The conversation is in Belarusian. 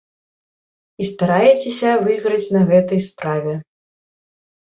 І стараецеся выйграць на гэтай справе.